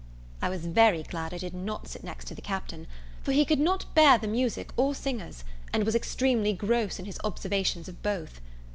I was very glad I did not sit next the Captain; for he could not bear the music or singers, and was extremely gross in his observations of both.